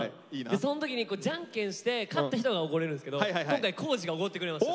でそん時にじゃんけんして勝った人がおごれるんですけど今回康二がおごってくれました。